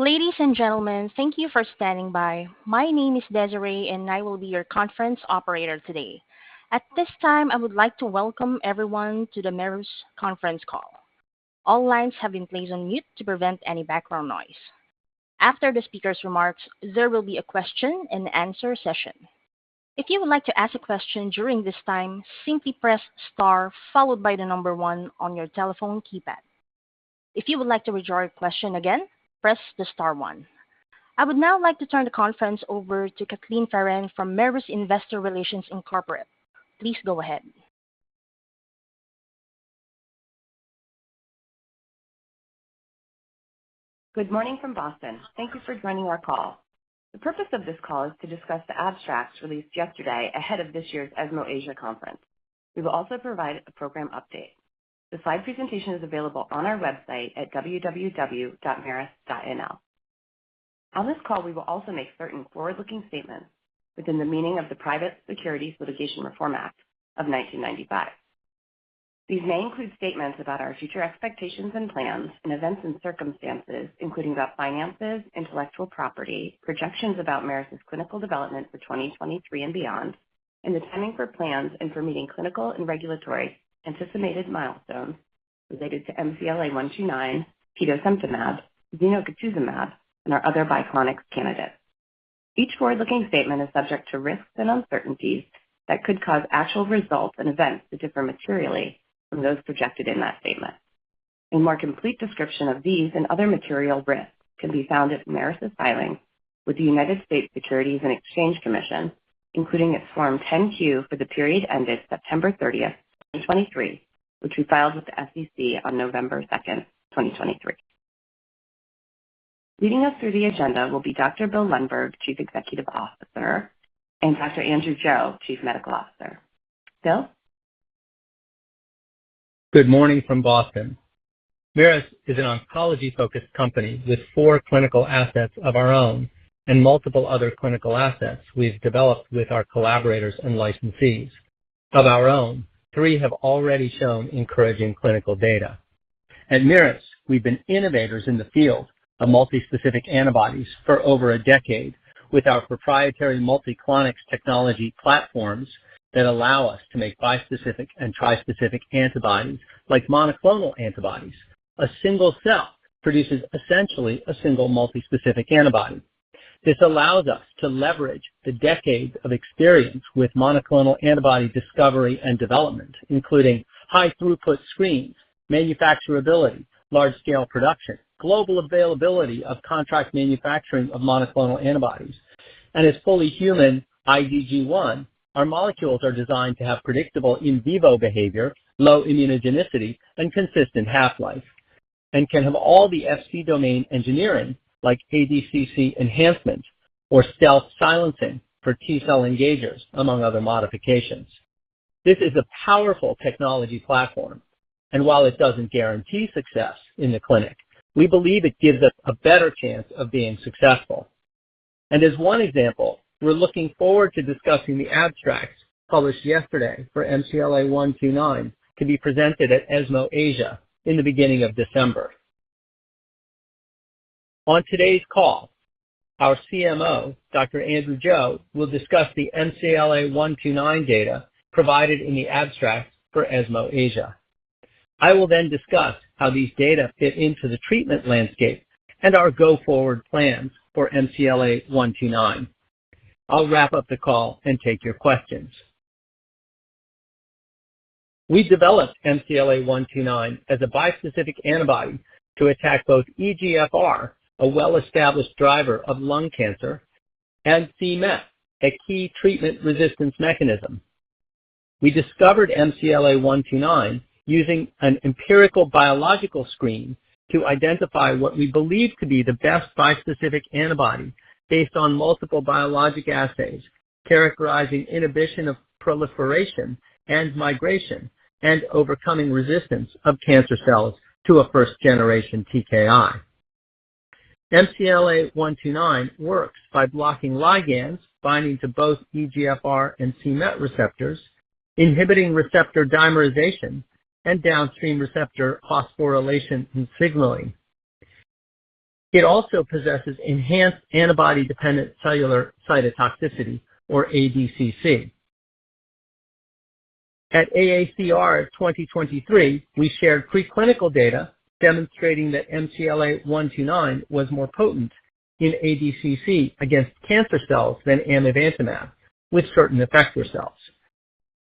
Ladies and gentlemen, thank you for standing by. My name is Desiree, and I will be your conference operator today. At this time, I would like to welcome everyone to the Merus conference call. All lines have been placed on mute to prevent any background noise. After the speaker's remarks, there will be a question-and-answer session. If you would like to ask a question during this time, simply press Star followed by the number one on your telephone keypad. If you would like to withdraw your question again, press the Star one. I would now like to turn the conference over to Kathleen Farren from Merus Investor Relations. Please go ahead. Good morning from Boston. Thank you for joining our call. The purpose of this call is to discuss the abstracts released yesterday ahead of this year's ESMO Asia Conference. We will also provide a program update. The slide presentation is available on our website at www.merus.nl. On this call, we will also make certain forward-looking statements within the meaning of the Private Securities Litigation Reform Act of 1995. These may include statements about our future expectations and plans, and events and circumstances, including about finances, intellectual property, projections about Merus's clinical development for 2023 and beyond, and the timing for plans and for meeting clinical and regulatory anticipated milestones related to MCLA-129, petosemtamab, zenocutuzumab, and our other Biclonics candidates. Each forward-looking statement is subject to risks and uncertainties that could cause actual results and events to differ materially from those projected in that statement. A more complete description of these and other material risks can be found at Merus's filings with the United States Securities and Exchange Commission, including its Form 10-Q for the period ended September 30, 2023, which we filed with the SEC on November 2, 2023. Leading us through the agenda will be Dr. Bill Lundberg, Chief Executive Officer, and Dr. Andrew Joe, Chief Medical Officer. Bill? Good morning from Boston. Merus is an oncology-focused company with four clinical assets of our own and multiple other clinical assets we've developed with our collaborators and licensees. Of our own, three have already shown encouraging clinical data. At Merus, we've been innovators in the field of multispecific antibodies for over a decade, with our proprietary Multiclonics technology platforms that allow us to make bispecific and trispecific antibodies. Like monoclonal antibodies, a single cell produces essentially a single multispecific antibody. This allows us to leverage the decades of experience with monoclonal antibody discovery and development, including high-throughput screens, manufacturability, large-scale production, global availability of contract manufacturing of monoclonal antibodies, and is fully human IgG1. Our molecules are designed to have predictable in vivo behavior, low immunogenicity, and consistent half-life, and can have all the Fc domain engineering, like ADCC enhancement or stealth silencing for T-cell engagers, among other modifications. This is a powerful technology platform, and while it doesn't guarantee success in the clinic, we believe it gives us a better chance of being successful. As one example, we're looking forward to discussing the abstracts published yesterday for MCLA-129 to be presented at ESMO Asia in the beginning of December. On today's call, our CMO, Dr. Andrew Joe, will discuss the MCLA-129 data provided in the abstract for ESMO Asia. I will then discuss how these data fit into the treatment landscape and our go-forward plans for MCLA-129. I'll wrap up the call and take your questions. We developed MCLA-129 as a bispecific antibody to attack both EGFR, a well-established driver of lung cancer, and c-MET, a key treatment resistance mechanism. We discovered MCLA-129 using an empirical biological screen to identify what we believe to be the best bispecific antibody based on multiple biologic assays, characterizing inhibition of proliferation and migration, and overcoming resistance of cancer cells to a first-generation TKI. MCLA-129 works by blocking ligands binding to both EGFR and c-MET receptors, inhibiting receptor dimerization and downstream receptor phosphorylation and signaling. It also possesses enhanced antibody-dependent cellular cytotoxicity, or ADCC. At AACR 2023, we shared preclinical data demonstrating that MCLA-129 was more potent in ADCC against cancer cells than amivantamab with certain effector cells.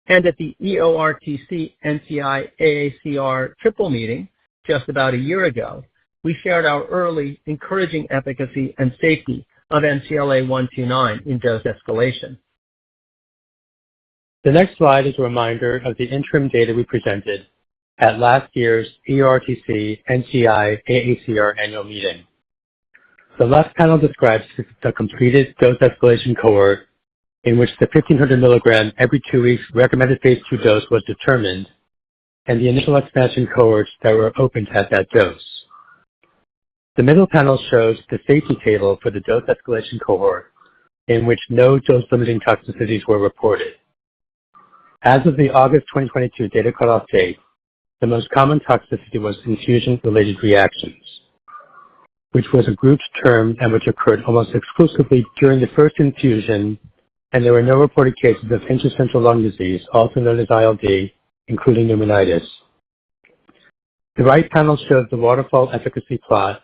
At the EORTC, NCI, AACR triple meeting just about a year ago, we shared our early encouraging efficacy and safety of MCLA-129 in dose escalation. The next slide is a reminder of the interim data we presented at last year's EORTC, NCI, AACR annual meeting. The left panel describes the completed dose escalation cohort in which the 1500 mg every 2 weeks recommended phase 2 dose was determined and the initial expansion cohorts that were opened at that dose. The middle panel shows the safety table for the dose escalation cohort in which no dose-limiting toxicities were reported. As of the August 2022 data cutoff date, the most common toxicity was infusion-related reactions, which was a grouped term and which occurred almost exclusively during the first infusion, and there were no reported cases of interstitial lung disease, also known as ILD, including pneumonitis. The right panel shows the waterfall efficacy plot,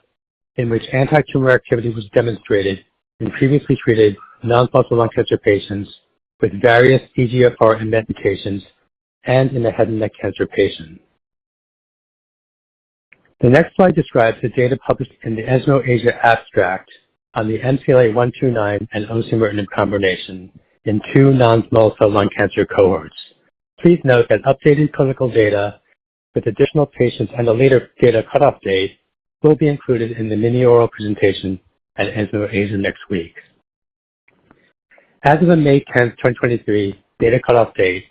in which antitumor activity was demonstrated in previously treated non-small cell lung cancer patients with various EGFR and MET mutations and in the head and neck cancer patient. The next slide describes the data published in the ESMO Asia abstract on the MCLA-129 and osimertinib combination in two non-small cell lung cancer cohorts. Please note that updated clinical data with additional patients and a later data cutoff date will be included in the mini oral presentation at ESMO Asia next week. As of the May 10, 2023 data cutoff date,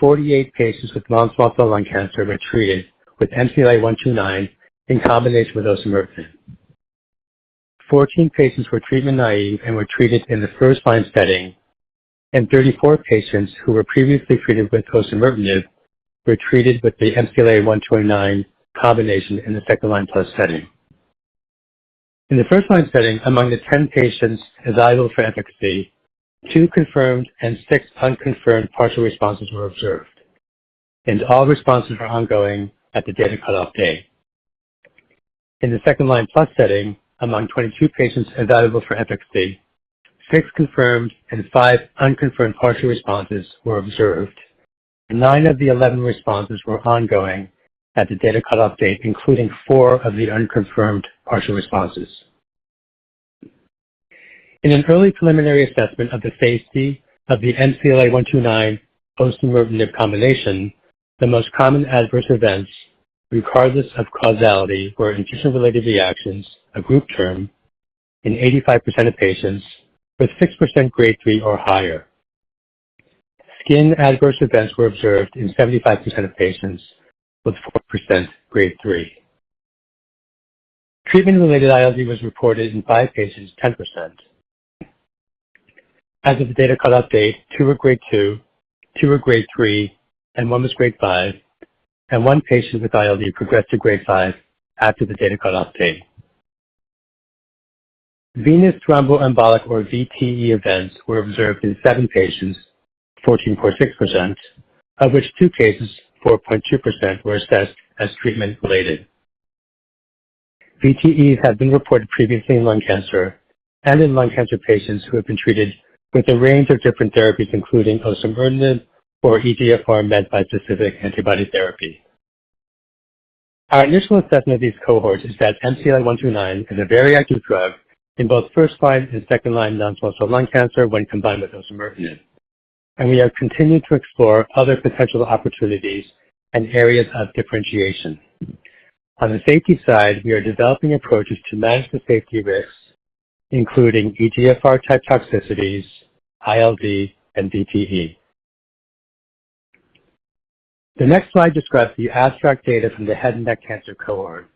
48 patients with non-small cell lung cancer were treated with MCLA-129 in combination with osimertinib. Fourteen patients were treatment naive and were treated in the first-line setting, and 34 patients who were previously treated with osimertinib were treated with the MCLA-129 combination in the second-line-plus setting. In the first-line setting, among the 10 patients evaluable for efficacy, 2 confirmed and 6 unconfirmed partial responses were observed, and all responses were ongoing at the data cutoff date. In the second-line-plus setting, among 22 patients evaluable for efficacy, 6 confirmed and 5 unconfirmed partial responses were observed. Nine of the 11 responses were ongoing at the data cutoff date, including 4 of the unconfirmed partial responses. In an early preliminary assessment of the Phase 1b of the MCLA-129 osimertinib combination, the most common adverse events, regardless of causality, were infusion-related reactions, a group term, in 85% of patients, with 6% Grade 3 or higher. Skin adverse events were observed in 75% of patients, with 4% Grade 3. Treatment-related ILD was reported in 5 patients, 10%. As of the data cutoff date, two were Grade 2, two were Grade 3, and one was Grade 5, and one patient with ILD progressed to Grade 5 after the data cutoff date. Venous thromboembolic, or VTE, events were observed in seven patients, 14.6%, of which two cases, 4.2%, were assessed as treatment-related. VTEs have been reported previously in lung cancer and in lung cancer patients who have been treated with a range of different therapies, including osimertinib or EGFR MET bispecific antibody therapy. Our initial assessment of these cohorts is that MCLA-129 is a very active drug in both first-line and second-line non-small cell lung cancer when combined with osimertinib, and we have continued to explore other potential opportunities and areas of differentiation. On the safety side, we are developing approaches to manage the safety risks, including EGFR-type toxicities, ILD, and VTE. The next slide describes the abstract data from the head and neck cancer cohort.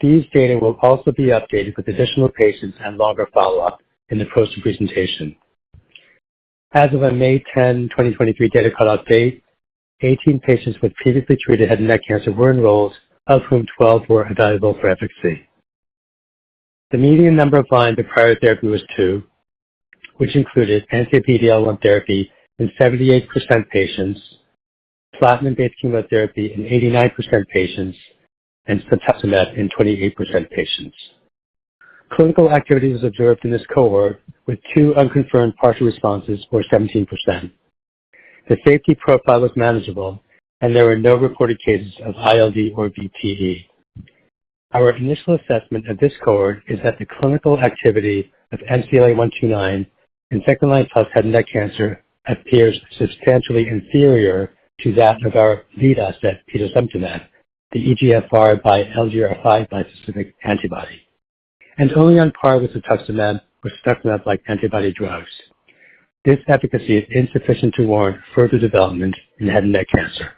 These data will also be updated with additional patients and longer follow-up in the poster presentation. As of our May 10, 2023 data cutoff date, 18 patients with previously treated head and neck cancer were enrolled, of whom 12 were evaluable for efficacy. The median number of lines of prior therapy was two, which included anti-PD-L1 therapy in 78% of patients, platinum-based chemotherapy in 89% of patients, and cetuximab in 28% of patients. Clinical activity was observed in this cohort, with two unconfirmed partial responses, or 17%. The safety profile was manageable, and there were no reported cases of ILD or VTE. Our initial assessment of this cohort is that the clinical activity of MCLA-129 in second-line-plus head and neck cancer appears substantially inferior to that of our lead asset, petosemtamab, the EGFR and LGR5 bispecific antibody, and only on par with cetuximab with such monoclonal antibody drugs. This efficacy is insufficient to warrant further development in head and neck cancer.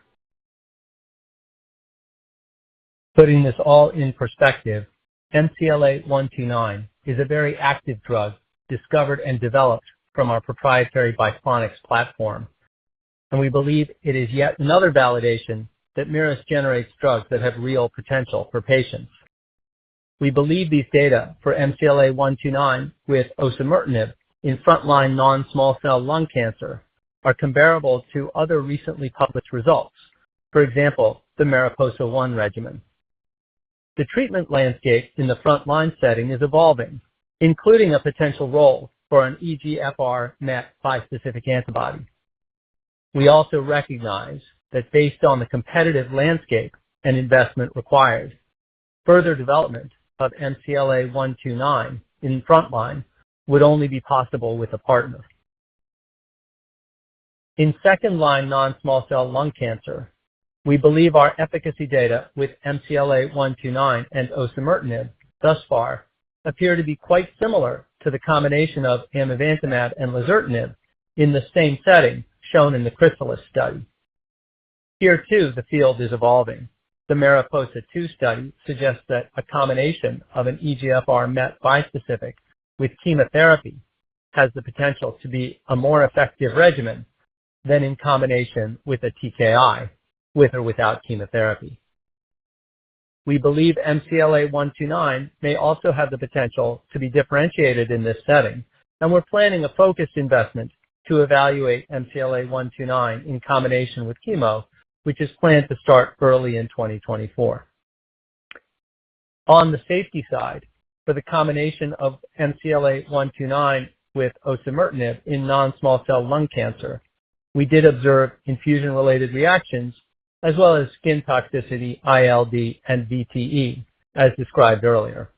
Putting this all in perspective, MCLA-129 is a very active drug discovered and developed from our proprietary Biclonics platform, and we believe it is yet another validation that Merus generates drugs that have real potential for patients. We believe these data for MCLA-129 with osimertinib in front-line non-small cell lung cancer are comparable to other recently published results, for example, the MARIPOSA-1 regimen. The treatment landscape in the front-line setting is evolving, including a potential role for an EGFR-MET bispecific antibody. We also recognize that based on the competitive landscape and investment required, further development of MCLA-129 in front line would only be possible with a partner. In second-line non-small cell lung cancer, we believe our efficacy data with MCLA-129 and osimertinib thus far appear to be quite similar to the combination of amivantamab and lazertinib in the same setting shown in the CHRYSALIS study.... Here, too, the field is evolving. The MARIPOSA-2 study suggests that a combination of an EGFR MET bispecific with chemotherapy has the potential to be a more effective regimen than in combination with a TKI, with or without chemotherapy. We believe MCLA-129 may also have the potential to be differentiated in this setting, and we're planning a focused investment to evaluate MCLA-129 in combination with chemo, which is planned to start early in 2024. On the safety side, for the combination of MCLA-129 with osimertinib in non-small cell lung cancer, we did observe infusion-related reactions, as well as skin toxicity, ILD, and VTE, as described earlier.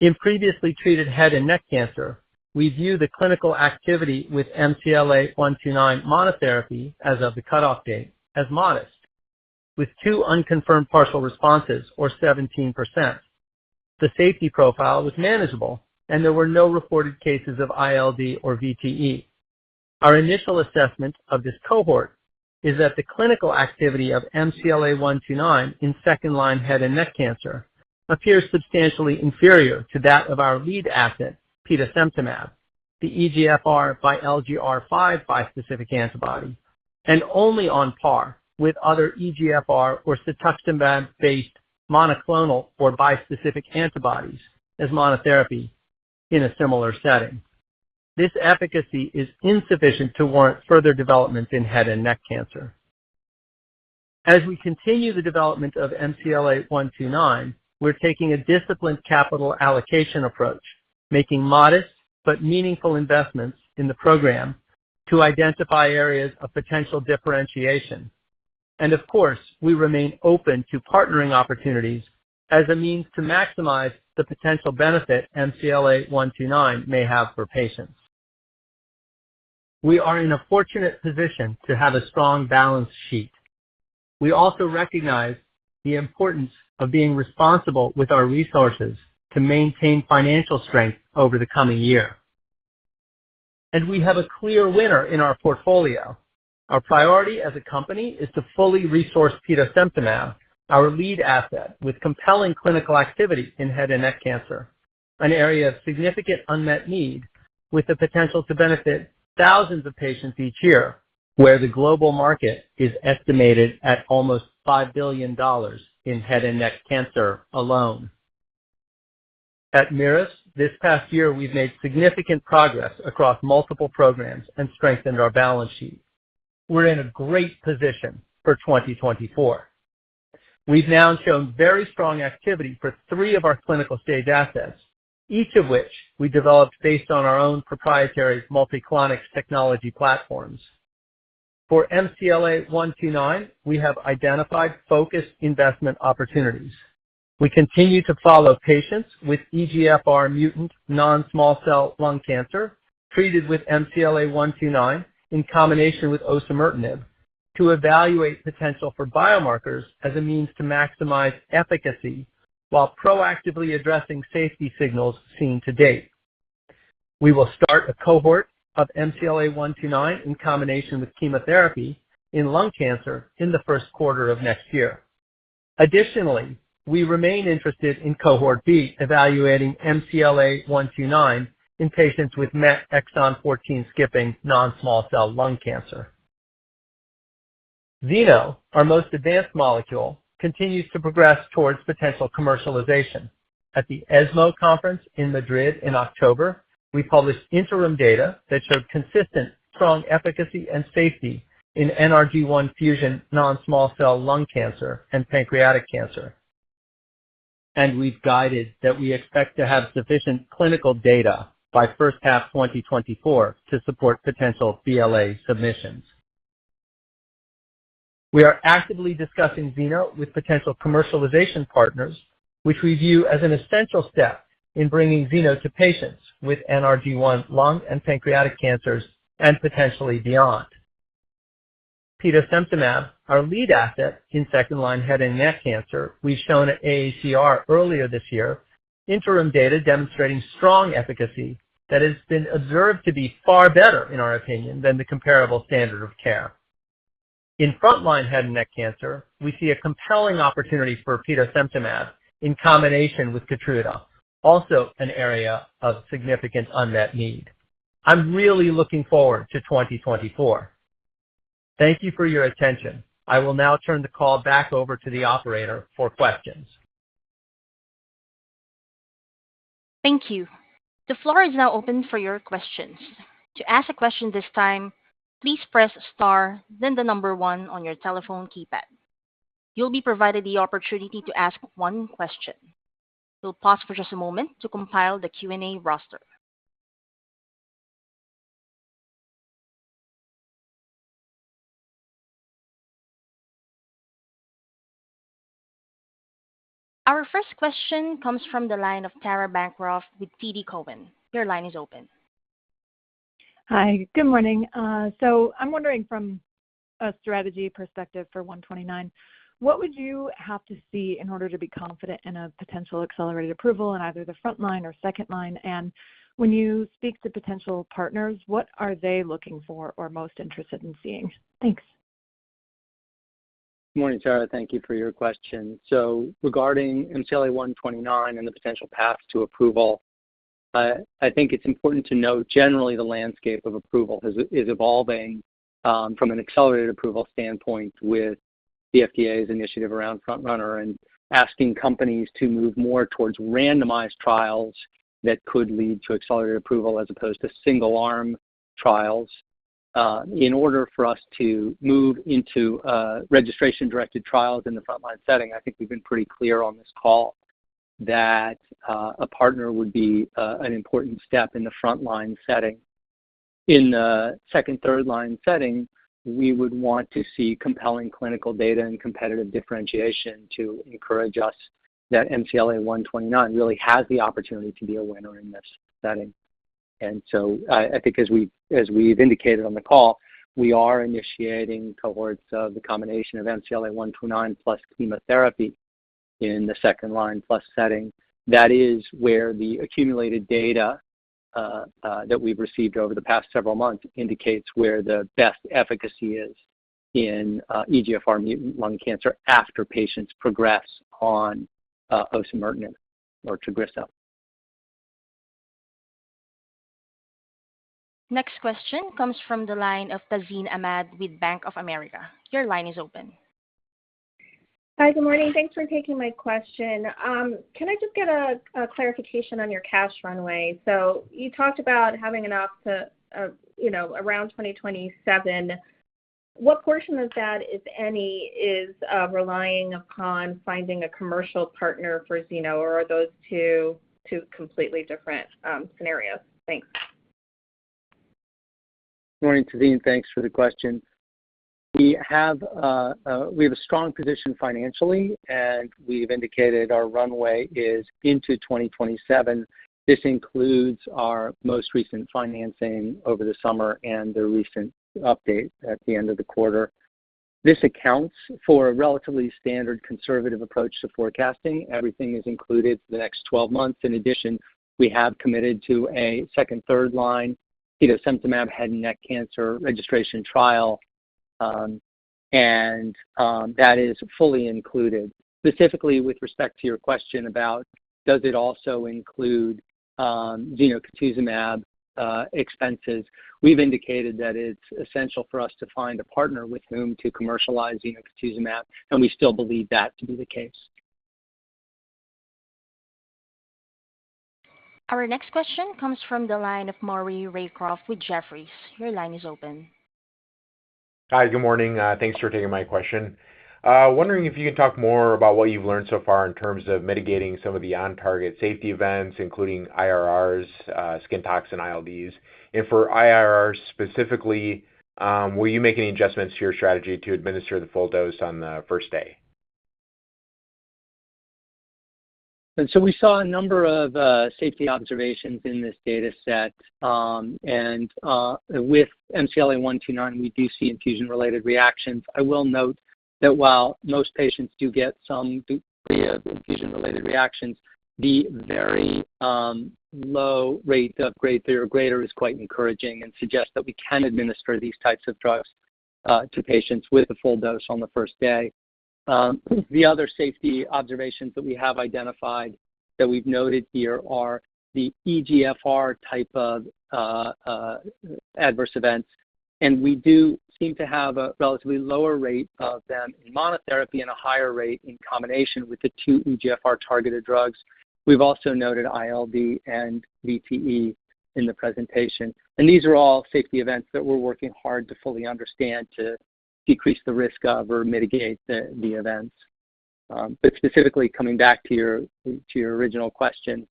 In previously treated head and neck cancer, we view the clinical activity with MCLA-129 monotherapy as of the cutoff date as modest, with two unconfirmed partial responses, or 17%. The safety profile was manageable, and there were no reported cases of ILD or VTE. Our initial assessment of this cohort is that the clinical activity of MCLA-129 in second-line head and neck cancer appears substantially inferior to that of our lead asset, petosemtamab, the EGFR and LGR5 bispecific antibody, and only on par with other EGFR or cetuximab-based monoclonal or bispecific antibodies as monotherapy in a similar setting. This efficacy is insufficient to warrant further development in head and neck cancer. As we continue the development of MCLA-129, we're taking a disciplined capital allocation approach, making modest but meaningful investments in the program to identify areas of potential differentiation. Of course, we remain open to partnering opportunities as a means to maximize the potential benefit MCLA-129 may have for patients. We are in a fortunate position to have a strong balance sheet. We also recognize the importance of being responsible with our resources to maintain financial strength over the coming year. We have a clear winner in our portfolio. Our priority as a company is to fully resource petosemtamab, our lead asset, with compelling clinical activity in head and neck cancer, an area of significant unmet need with the potential to benefit thousands of patients each year, where the global market is estimated at almost $5 billion in head and neck cancer alone. At Merus, this past year, we've made significant progress across multiple programs and strengthened our balance sheet. We're in a great position for 2024. We've now shown very strong activity for three of our clinical-stage assets, each of which we developed based on our own proprietary Multiclonics technology platforms. For MCLA-129, we have identified focused investment opportunities. We continue to follow patients with EGFR mutant non-small cell lung cancer, treated with MCLA-129 in combination with osimertinib, to evaluate potential for biomarkers as a means to maximize efficacy while proactively addressing safety signals seen to date. We will start a cohort of MCLA-129 in combination with chemotherapy in lung cancer in the first quarter of next year. Additionally, we remain interested in cohort B, evaluating MCLA-129 in patients with MET exon 14 skipping non-small cell lung cancer. Zeno, our most advanced molecule, continues to progress towards potential commercialization. At the ESMO conference in Madrid in October, we published interim data that showed consistent strong efficacy and safety in NRG1 fusion non-small cell lung cancer and pancreatic cancer. And we've guided that we expect to have sufficient clinical data by first half 2024 to support potential BLA submissions. We are actively discussing Zeno with potential commercialization partners, which we view as an essential step in bringing Zeno to patients with NRG1 lung and pancreatic cancers and potentially beyond. Petosemtamab, our lead asset in second-line head and neck cancer, we've shown at AACR earlier this year, interim data demonstrating strong efficacy that has been observed to be far better, in our opinion, than the comparable standard of care. In frontline head and neck cancer, we see a compelling opportunity for petosemtamab in combination with Keytruda, also an area of significant unmet need. I'm really looking forward to 2024. Thank you for your attention. I will now turn the call back over to the operator for questions. Thank you. The floor is now open for your questions. To ask a question this time, please press star, then the number one on your telephone keypad. You'll be provided the opportunity to ask one question. We'll pause for just a moment to compile the Q&A roster. Our first question comes from the line of Tara Bancroft with TD Cowen. Your line is open. Hi, good morning. So I'm wondering from a strategy perspective for 129, what would you have to see in order to be confident in a potential accelerated approval in either the front line or second line? And when you speak to potential partners, what are they looking for or most interested in seeing? Thanks. ... Good morning, Tara. Thank you for your question. So regarding MCLA-129 and the potential path to approval, I think it's important to note generally the landscape of approval is evolving, from an accelerated approval standpoint with the FDA's initiative around FrontRunner and asking companies to move more towards randomized trials that could lead to accelerated approval, as opposed to single-arm trials. In order for us to move into registration-directed trials in the frontline setting, I think we've been pretty clear on this call that a partner would be an important step in the frontline setting. In the second, third line setting, we would want to see compelling clinical data and competitive differentiation to encourage us that MCLA-129 really has the opportunity to be a winner in this setting. So I think as we've indicated on the call, we are initiating cohorts of the combination of MCLA-129 plus chemotherapy in the second-line plus setting. That is where the accumulated data that we've received over the past several months indicates where the best efficacy is in EGFR mutant lung cancer after patients progress on osimertinib or Tagrisso. Next question comes from the line of Tazeen Ahmad with Bank of America. Your line is open. Hi, good morning. Thanks for taking my question. Can I just get a clarification on your cash runway? So you talked about having enough to, you know, around 2027. What portion of that, if any, is relying upon finding a commercial partner for Zeno, or are those two completely different scenarios? Thanks. Morning, Tazeen. Thanks for the question. We have a strong position financially, and we've indicated our runway is into 2027. This includes our most recent financing over the summer and the recent update at the end of the quarter. This accounts for a relatively standard conservative approach to forecasting. Everything is included for the next 12 months. In addition, we have committed to a second, third line cetuximab head and neck cancer registration trial, and that is fully included. Specifically with respect to your question about does it also include zenocutuzumab expenses, we've indicated that it's essential for us to find a partner with whom to commercialize zenocutuzumab, and we still believe that to be the case. Our next question comes from the line of Maury Raycroft with Jefferies. Your line is open. Hi, good morning. Thanks for taking my question. Wondering if you can talk more about what you've learned so far in terms of mitigating some of the on-target safety events, including IRRs, skin tox, and ILDs. And for IRRs specifically, will you make any adjustments to your strategy to administer the full dose on the first day? So we saw a number of safety observations in this data set. With MCLA-129, we do see infusion-related reactions. I will note that while most patients do get some degree of infusion-related reactions, the very low rate of grade 3 or greater is quite encouraging and suggests that we can administer these types of drugs to patients with a full dose on the first day. The other safety observations that we have identified, that we've noted here are the EGFR type of adverse events, and we do seem to have a relatively lower rate of them in monotherapy and a higher rate in combination with the two EGFR-targeted drugs. We've also noted ILD and VTE in the presentation, and these are all safety events that we're working hard to fully understand to decrease the risk of or mitigate the events. But specifically coming back to your original question,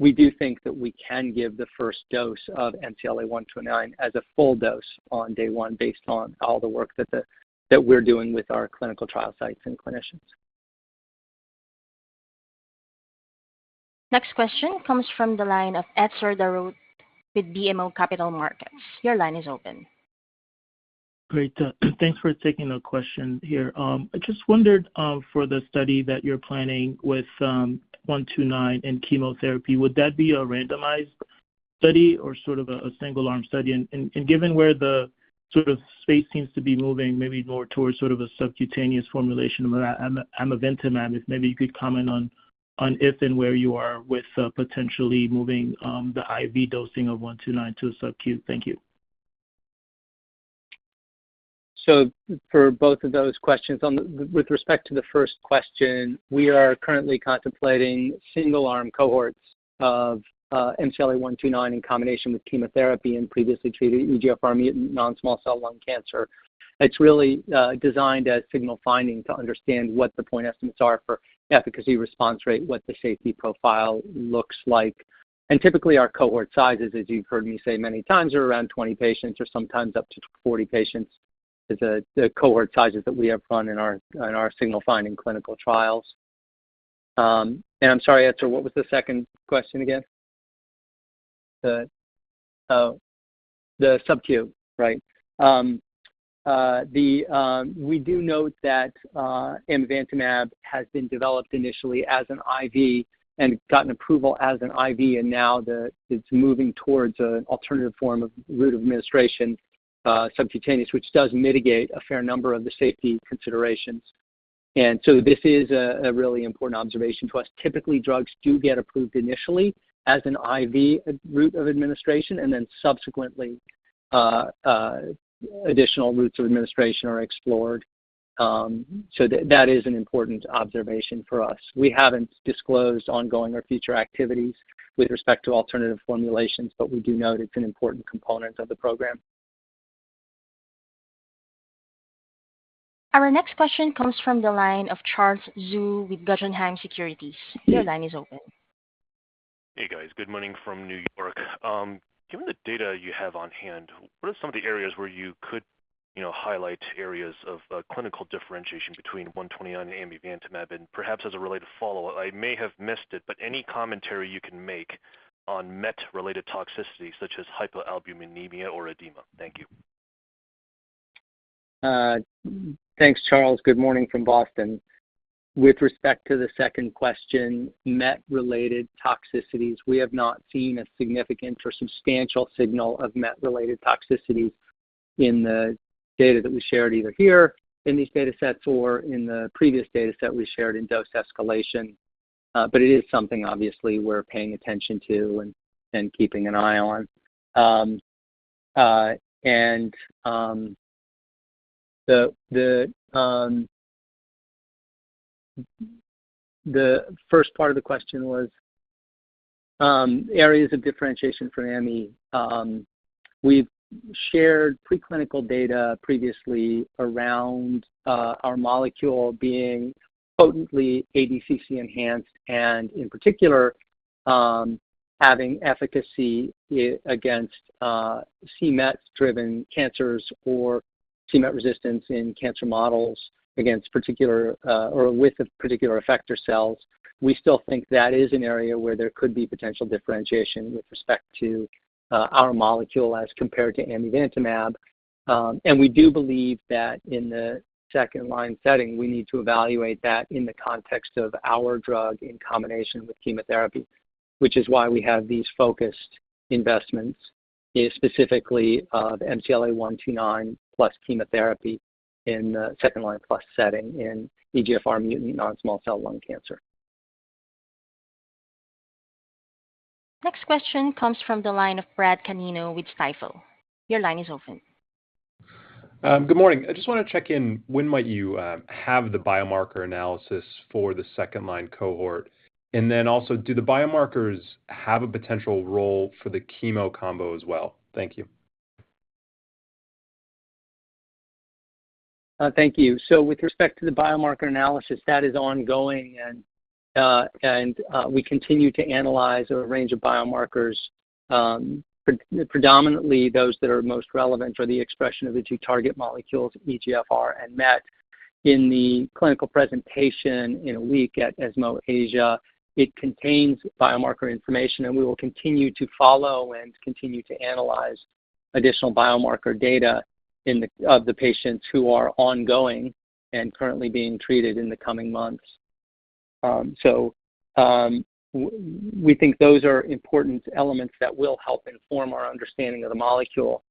we do think that we can give the first dose of MCLA-129 as a full dose on day one, based on all the work that we're doing with our clinical trial sites and clinicians. Next question comes from the line of Etzer Darout with BMO Capital Markets. Your line is open. Great, thanks for taking the question here. I just wondered, for the study that you're planning with 129 and chemotherapy, would that be a randomized study or sort of a single-arm study? And given where the sort of space seems to be moving, maybe more towards sort of a subcutaneous formulation, amivantamab, if maybe you could comment on if and where you are with potentially moving the IV dosing of 129 to sub-Q. Thank you. So for both of those questions, with respect to the first question, we are currently contemplating single-arm cohorts of MCLA-129 in combination with chemotherapy in previously treated EGFR-mutant non-small cell lung cancer. It's really designed as signal finding to understand what the point estimates are for efficacy, response rate, what the safety profile looks like. And typically, our cohort sizes, as you've heard me say many times, are around 20 patients or sometimes up to 40 patients, the cohort sizes that we have run in our signal-finding clinical trials. And I'm sorry, Etzer, what was the second question again? The subq, right. We do note that amivantamab has been developed initially as an IV and gotten approval as an IV, and now it's moving towards an alternative form of route of administration, subcutaneous, which does mitigate a fair number of the safety considerations. This is a really important observation to us. Typically, drugs do get approved initially as an IV route of administration, and then subsequently, additional routes of administration are explored. So that is an important observation for us. We haven't disclosed ongoing or future activities with respect to alternative formulations, but we do note it's an important component of the program. Our next question comes from the line of Charles Zhu with Guggenheim Securities. Your line is open. Hey, guys. Good morning from New York. Given the data you have on hand, what are some of the areas where you could, you know, highlight areas of, clinical differentiation between 129 and amivantamab? And perhaps as a related follow-up, I may have missed it, but any commentary you can make on MET-related toxicity, such as hypoalbuminemia or edema? Thank you. Thanks, Charles. Good morning from Boston. With respect to the second question, c-MET-related toxicities, we have not seen a significant or substantial signal of c-MET-related toxicities in the data that we shared, either here in these datasets or in the previous dataset we shared in dose escalation. But it is something obviously we're paying attention to and keeping an eye on. And the first part of the question was areas of differentiation for MCLA-129. We've shared preclinical data previously around our molecule being potently ADCC-enhanced, and in particular, having efficacy against c-MET driven cancers or c-MET resistance in cancer models against particular or with the particular effector cells. We still think that is an area where there could be potential differentiation with respect to our molecule as compared to amivantamab. We do believe that in the second-line setting, we need to evaluate that in the context of our drug in combination with chemotherapy, which is why we have these focused investments in specifically MCLA-129 plus chemotherapy in the second-line plus setting in EGFR mutant non-small cell lung cancer. Next question comes from the line of Brad Canino with Stifel. Your line is open. Good morning. I just wanna check in, when might you have the biomarker analysis for the second line cohort? And then also, do the biomarkers have a potential role for the chemo combo as well? Thank you. Thank you. So with respect to the biomarker analysis, that is ongoing and we continue to analyze a range of biomarkers, predominantly those that are most relevant for the expression of the two target molecules, EGFR and MET. In the clinical presentation in a week at ESMO Asia, it contains biomarker information, and we will continue to follow and continue to analyze additional biomarker data of the patients who are ongoing and currently being treated in the coming months. We think those are important elements that will help inform our understanding of the molecule.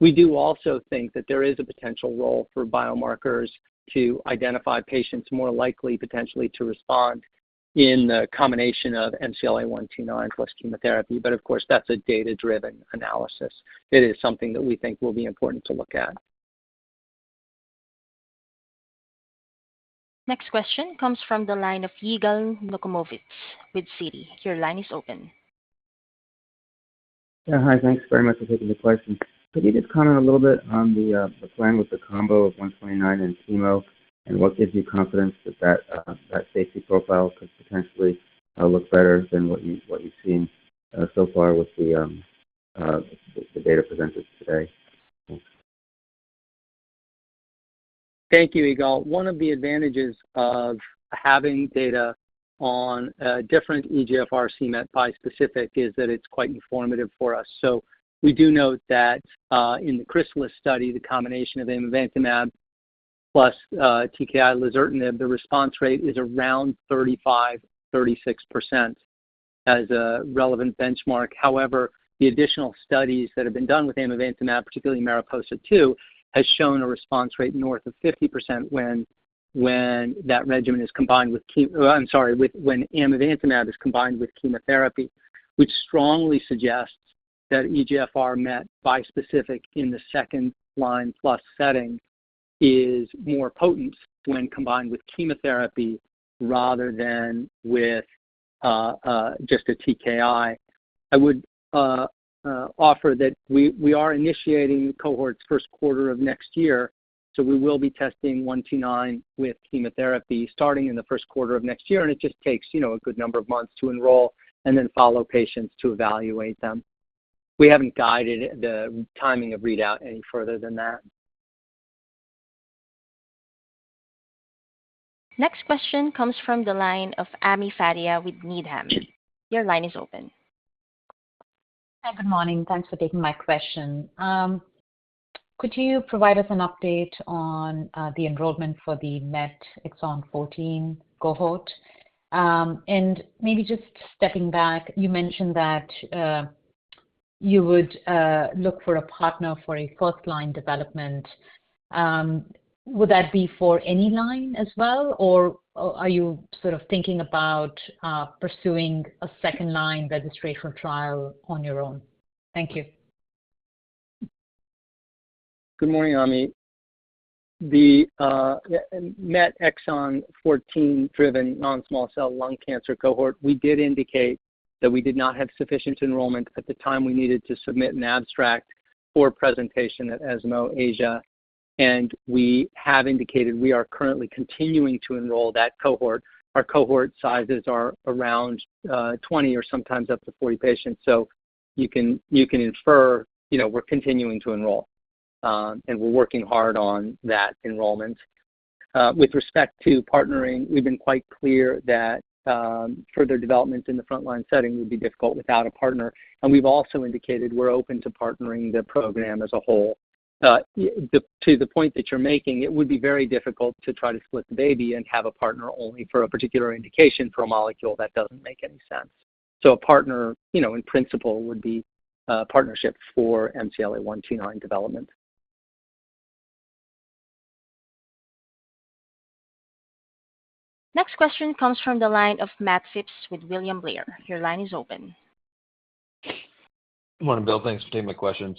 We do also think that there is a potential role for biomarkers to identify patients more likely potentially to respond in the combination of MCLA-129 plus chemotherapy, but of course, that's a data-driven analysis. It is something that we think will be important to look at. Next question comes from the line of Yigal Nochomovitz with Citi. Your line is open. Yeah, hi, thanks very much for taking the question. Could you just comment a little bit on the plan with the combo of 129 and chemo, and what gives you confidence that that safety profile could potentially look better than what you've seen so far with the data presented today? Thanks. Thank you, Yigal. One of the advantages of having data on a different EGFR c-MET bispecific is that it's quite informative for us. So we do note that in the CHRYSALIS study, the combination of amivantamab plus TKI lazertinib, the response rate is around 35%-36% as a relevant benchmark. However, the additional studies that have been done with amivantamab, particularly MARIPOSA-2, has shown a response rate north of 50% when that regimen is combined with, I'm sorry, when amivantamab is combined with chemotherapy, which strongly suggests that EGFR MET bispecific in the second-line plus setting is more potent when combined with chemotherapy rather than with just a TKI. I would offer that we are initiating cohorts first quarter of next year, so we will be testing MCLA-129 with chemotherapy starting in the first quarter of next year, and it just takes, you know, a good number of months to enroll and then follow patients to evaluate them. We haven't guided the timing of readout any further than that. Next question comes from the line of Ami Fadia with Needham. Your line is open. Hi, good morning. Thanks for taking my question. Could you provide us an update on the enrollment for the MET exon 14 cohort? And maybe just stepping back, you mentioned that you would look for a partner for a first-line development. Would that be for any line as well, or are you sort of thinking about pursuing a second-line registration trial on your own? Thank you. Good morning, Ami. The MET exon 14 driven non-small cell lung cancer cohort, we did indicate that we did not have sufficient enrollment at the time we needed to submit an abstract for presentation at ESMO Asia, and we have indicated we are currently continuing to enroll that cohort. Our cohort sizes are around 20 or sometimes up to 40 patients. So you can infer, you know, we're continuing to enroll, and we're working hard on that enrollment. With respect to partnering, we've been quite clear that further development in the frontline setting would be difficult without a partner, and we've also indicated we're open to partnering the program as a whole. To the point that you're making, it would be very difficult to try to split the baby and have a partner only for a particular indication for a molecule. That doesn't make any sense. A partner, you know, in principle, would be a partnership for MCLA-129 development. Next question comes from the line of Matt Phipps with William Blair. Your line is open. Good morning, Bill. Thanks for taking my questions.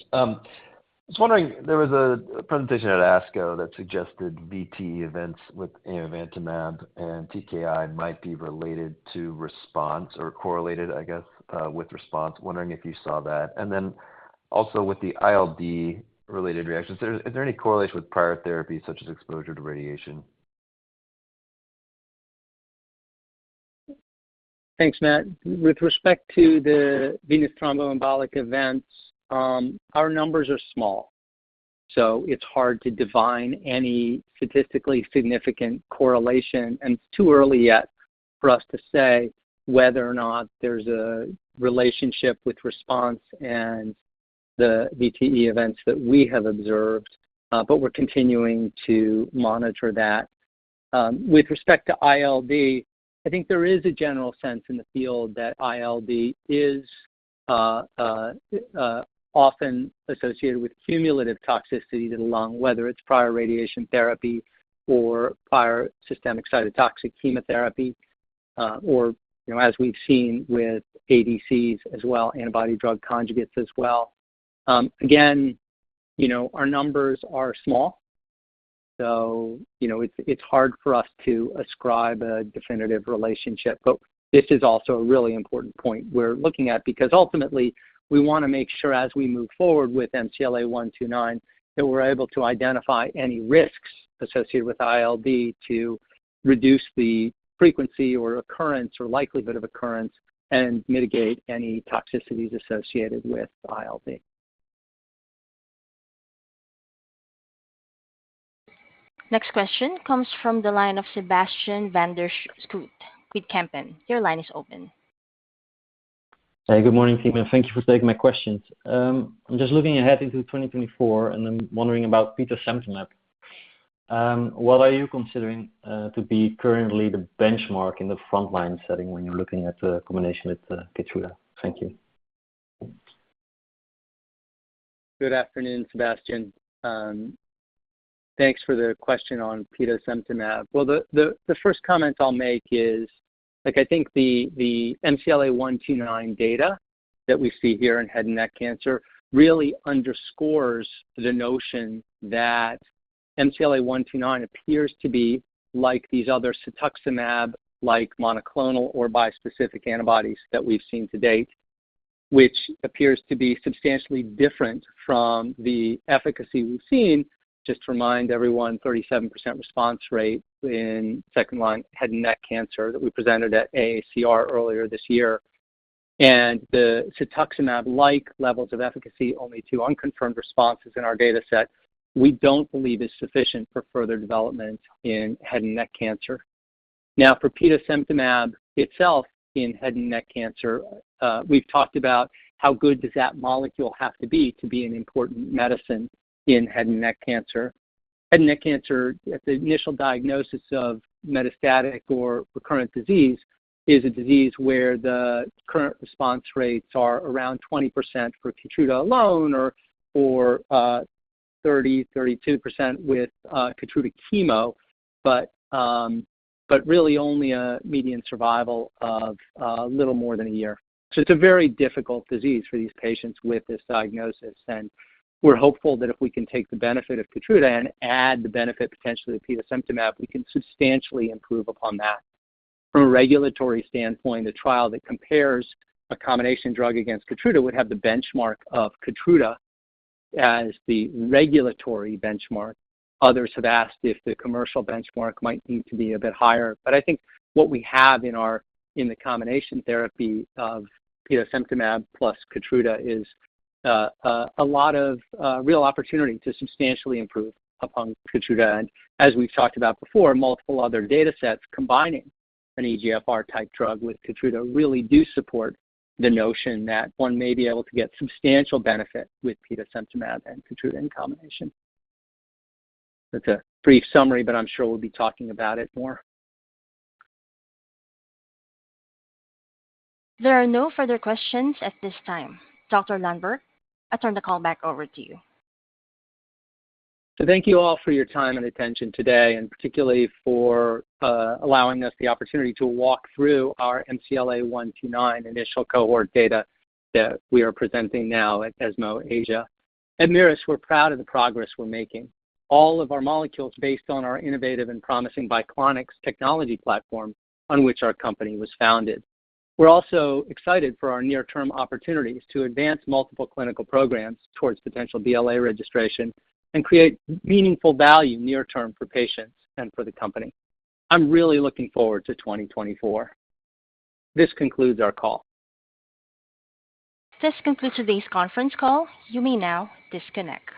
I was wondering, there was a presentation at ASCO that suggested VT events with amivantamab and TKI might be related to response or correlated, I guess, with response. Wondering if you saw that? And then also with the ILD-related reactions, is there any correlation with prior therapy, such as exposure to radiation? Thanks, Matt. With respect to the venous thromboembolic events, our numbers are small, so it's hard to define any statistically significant correlation, and it's too early yet for us to say whether or not there's a relationship with response and the VTE events that we have observed, but we're continuing to monitor that. With respect to ILD, I think there is a general sense in the field that ILD is often associated with cumulative toxicity to the lung, whether it's prior radiation therapy or prior systemic cytotoxic chemotherapy, or, you know, as we've seen with ADCs as well, antibody drug conjugates as well. Again, you know, our numbers are small, so, you know, it's, it's hard for us to ascribe a definitive relationship. This is also a really important point we're looking at because ultimately we wanna make sure as we move forward with MCLA-129, that we're able to identify any risks associated with ILD to reduce the frequency or occurrence, or likelihood of occurrence and mitigate any toxicities associated with ILD. Next question comes from the line of Sebastiaan van der Schoot. Kempen, your line is open. Hey, good morning, team, and thank you for taking my questions. I'm just looking ahead into 2024, and I'm wondering about petosemtamab. What are you considering to be currently the benchmark in the frontline setting when you're looking at the combination with Keytruda? Thank you. Good afternoon, Sebastiaan. Thanks for the question on petosemtamab. Well, the first comment I'll make is, like, I think the MCLA-129 data that we see here in head and neck cancer really underscores the notion that MCLA-129 appears to be like these other cetuximab-like monoclonal or bispecific antibodies that we've seen to date, which appears to be substantially different from the efficacy we've seen. Just to remind everyone, 37% response rate in second-line head and neck cancer that we presented at ACR earlier this year. And the cetuximab-like levels of efficacy, only 2 unconfirmed responses in our dataset, we don't believe is sufficient for further development in head and neck cancer. Now, for petosemtamab itself in head and neck cancer, we've talked about how good does that molecule have to be to be an important medicine in head and neck cancer. Head and neck cancer, at the initial diagnosis of metastatic or recurrent disease, is a disease where the current response rates are around 20% for Keytruda alone or 32% with Keytruda chemo, but really only a median survival of little more than a year. So it's a very difficult disease for these patients with this diagnosis, and we're hopeful that if we can take the benefit of Keytruda and add the benefit potentially to petosemtamab, we can substantially improve upon that. From a regulatory standpoint, the trial that compares a combination drug against Keytruda would have the benchmark of Keytruda as the regulatory benchmark. Others have asked if the commercial benchmark might need to be a bit higher, but I think what we have in our in the combination therapy of petosemtamab plus Keytruda is a lot of real opportunity to substantially improve upon Keytruda. And as we've talked about before, multiple other datasets combining an EGFR-type drug with Keytruda really do support the notion that one may be able to get substantial benefit with petosemtamab and Keytruda in combination. That's a brief summary, but I'm sure we'll be talking about it more. There are no further questions at this time. Dr. Lundberg, I turn the call back over to you. So thank you all for your time and attention today, and particularly for allowing us the opportunity to walk through our MCLA-129 initial cohort data that we are presenting now at ESMO Asia. At Merus, we're proud of the progress we're making. All of our molecules based on our innovative and promising Biclonics technology platform on which our company was founded. We're also excited for our near-term opportunities to advance multiple clinical programs towards potential BLA registration and create meaningful value near term for patients and for the company. I'm really looking forward to 2024. This concludes our call. This concludes today's conference call. You may now disconnect.